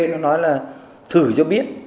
nó nói là thử cho biết